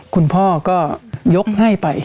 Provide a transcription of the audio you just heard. คุณพ่อก็ยกให้ไป